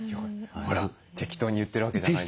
ほら適当に言ってるわけじゃないです。